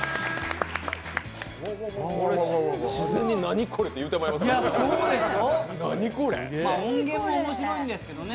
自然になにこれって言ってしまいますね。